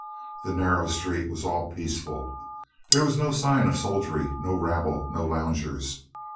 The nar row street was all peaceful. There was no sign of soldiery, no rabble, no loungers.